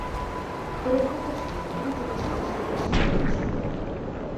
Тӧрӹм попаш гӹнь, критика шотышты пӓшӓнӓ пиш худа.